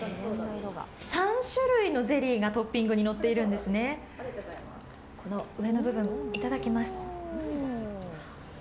３種類のゼリーがトッピングにのっているんですね、この上の部分、いただきます。